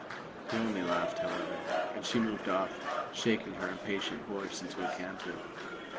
He only laughed, however, and she moved off, shaking her impatient horse into a canter.